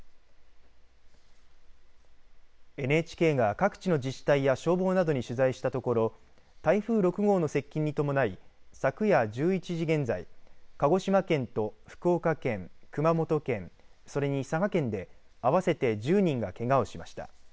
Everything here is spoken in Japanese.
ＮＨＫが各地の自治体や消防などに取材したところ、台風６号の接近に伴い昨夜１１時現在鹿児島県と福岡県、熊本県それに佐賀県で合わせて１０人がけがをしました。